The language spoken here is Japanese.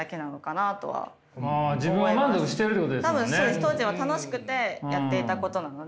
当時は楽しくてやっていたことなので。